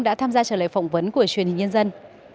đã tham gia trả lời phỏng vấn của chuyên nhân dân